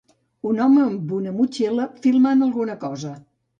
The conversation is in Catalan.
Un home amb una motxilla filmant alguna cosa